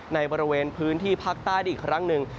ในบริเวณพื้นที่ภาคใต้ได้อีกครั้งหนึ่ง